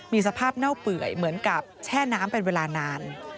มีสภาพเน่าเปื่อยเหมือนกับแช่น้ำเป็นเวลานาน